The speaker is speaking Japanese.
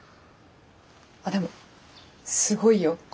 あっでもすごいよ今年。